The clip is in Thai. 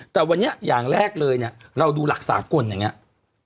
แต่วันนี้อย่างแรกเลยเราดูหลักศาสกรณ์อย่างนี้